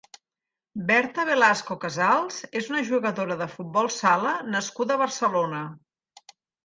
Berta Velasco Casals és una jugadora de futbol sala nascuda a Barcelona.